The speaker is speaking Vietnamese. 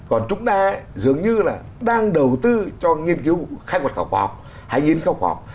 còn chúng ta dường như là đang đầu tư cho nghiên cứu khai quật khảo cổ học hay nghiên cứu khảo cổ học